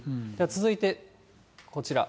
続いてこちら。